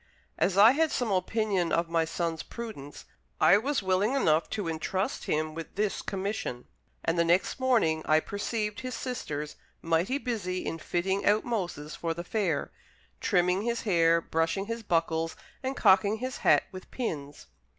As I had some opinion of my son's prudence, I was willing enough to intrust him with this commission; and the next morning I perceived his sisters mighty busy in fitting out Moses for the fair trimming his hair, brushing his buckles, and cocking his hat with pins.